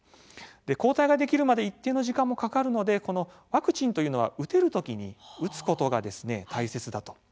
抗体ができるまで一定の時間もかかるので、ワクチンは打てるときに打つことが大切だと。